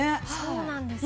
そうなんですよ。